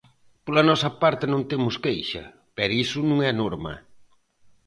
Pola nosa parte non temos queixa, pero iso non é norma.